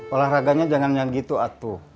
olahraganya jangan yang gitu atuh